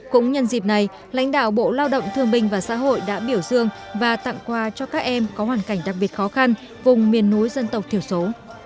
cũng nhân dịp này lãnh đạo bộ lao động thương minh và xã hội đã biểu dương và tặng quà cho các em có hoàn cảnh đặc biệt khó khăn vùng miền núi dân tộc thiểu số